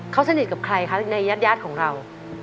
เขาสนิทกับใครคะในญาติของเรา